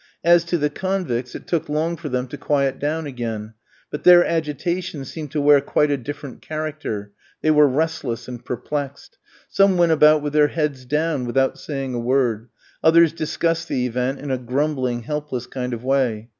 As to the convicts, it took long for them to quiet down again, but their agitation seemed to wear quite a different character; they were restless and perplexed. Some went about with their heads down, without saying a word; others discussed the event in a grumbling, helpless kind of way.